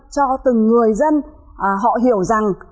cho từng người dân họ hiểu rằng